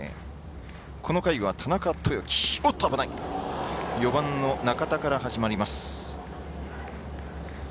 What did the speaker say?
この回は４番の中田から始まります。